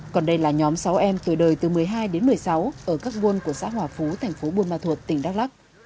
còn đây là nhóm sáu em tuổi đời từ một mươi hai đến một mươi sáu ở các buôn của xã hòa phú thành phố buôn ma thuột tỉnh đắk lắc